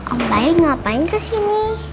om baik ngapain kesini